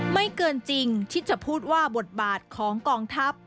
ไม่เกินจริงที่จะพูดว่าบทบาทของกองทัพ